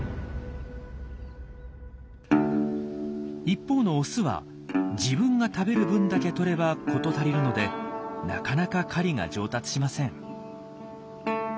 一方のオスは自分が食べる分だけとれば事足りるのでなかなか狩りが上達しません。